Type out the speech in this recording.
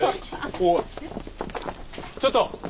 ちょっと！